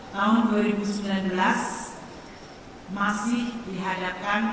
tahun dua ribu sembilan belas masih dihadapkan